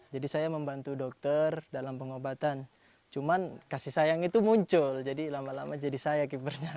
jadi saya membantu dokter dalam pengobatan cuman kasih sayang itu muncul jadi lama lama jadi saya kibernya